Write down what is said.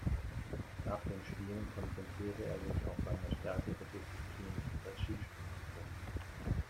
Nach den Spielen konzentrierte er sich auf seine stärkere Disziplin, das Skispringen.